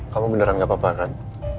kamu beneran gak apa apa kan